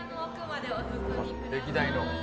歴代の。